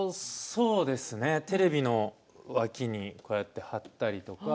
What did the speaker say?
そうですねテレビの脇にこうやって貼ったりとか。